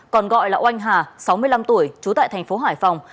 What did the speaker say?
còn gọi là oanh hà sáu mươi năm tuổi trú tại thành phố hải phòng